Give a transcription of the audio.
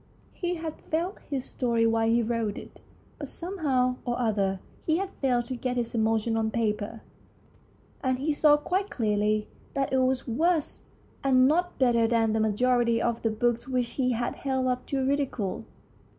He had felt his story while he wrote it, but somehow or other he had failed to get his emotions on paper, and he saw quite clearly that it was worse and not better than the majority of the books which he had held up to ridicule.